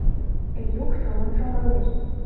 Эчук шылын шогалеш.